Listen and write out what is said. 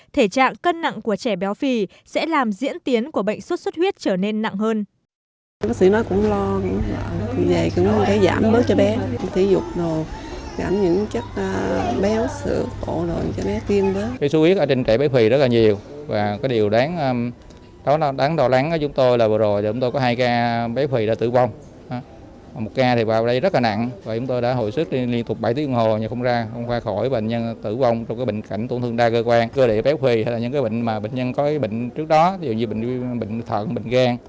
thể trạng cân nặng của trẻ béo phì sẽ làm diễn tiến của bệnh sốt xuất huyết trở nên nặng hơn